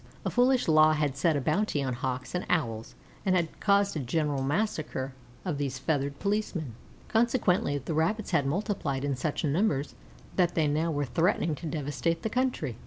A foolish law had set a bounty on Hawks and Owls and had caused a general massacre of these feathered policemen. Consequently the Rabbits had multiplied in such numbers that they now were threatening to devastate the country.